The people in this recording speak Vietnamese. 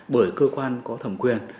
bởi cơ quan có thẩm quyền